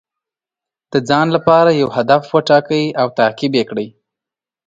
د ځان لپاره یو هدف وټاکئ او تعقیب یې کړئ.